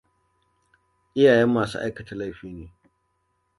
Iyayen masu aikata laifi ne!